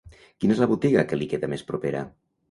Quina és la botiga que li queda més propera?